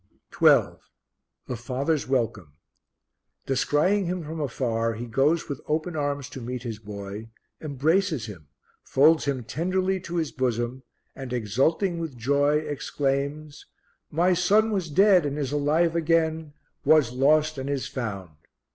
12. The Father's Welcome. Descrying him from afar, he goes with open arms to meet his boy, embraces him, folds him tenderly to his bosom and, exulting with joy, exclaims, "My son was dead and is alive again was lost and is found."